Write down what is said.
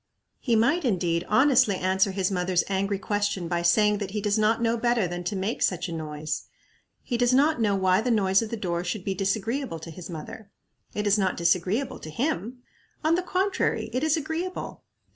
He might, indeed, honestly answer his mother's angry question by saying that he does not know better than to make such a noise. He does not know why the noise of the door should be disagreeable to his mother. It is not disagreeable to him. On the contrary, it is agreeable.